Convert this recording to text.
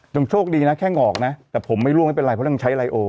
โชคดีนะแค่งอกนะแต่ผมไม่ล่วงไม่เป็นไรเพราะต้องใช้ไลโอ